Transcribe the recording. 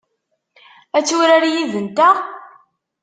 Ad turar yid-nteɣ?